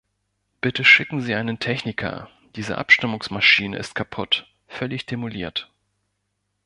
Bitte schicken Sie einen Techniker, diese Abstimmungsmaschine ist kaputt, völlig demoliert!